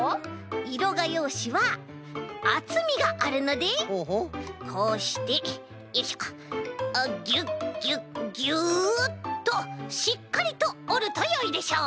いろがようしはあつみがあるのでこうしてよいしょあっギュッギュッギュッとしっかりとおるとよいでしょう。